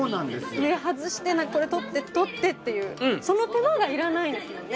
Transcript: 上外してこれ取って取ってっていうその手間がいらないんですよね